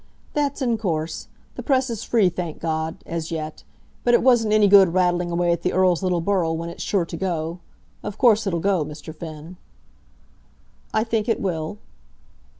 "That's in course. The press is free, thank God, as yet. But it wasn't any good rattling away at the Earl's little borough when it's sure to go. Of course it'll go, Mr. Finn." "I think it will."